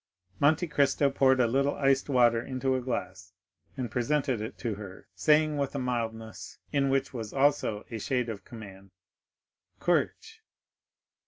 40076m Monte Cristo poured a little iced water into a glass, and presented it to her, saying with a mildness in which was also a shade of command,—"Courage."